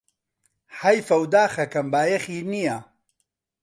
حەیفه و داخەکەم بایەخی نییە